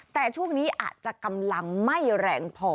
แต่ช่วงนี้อาจจะกำลังไม่แรงพอ